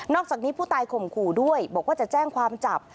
จากนี้ผู้ตายข่มขู่ด้วยบอกว่าจะแจ้งความจับ